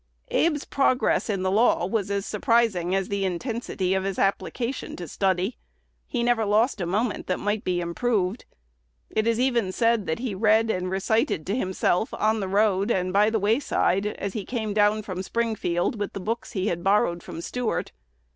Abe's progress in the law was as surprising as the intensity of his application to study. He never lost a moment that might be improved. It is even said that he read and recited to himself on the road and by the wayside as he came down from Springfield with the books he had borrowed from Stuart.